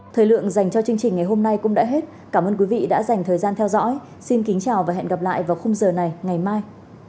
thời lượng dành cho chương trình ngày hôm nay cũng đã hết cảm ơn quý vị đã dành thời gian theo dõi xin kính chào và hẹn gặp lại vào khung giờ này ngày mai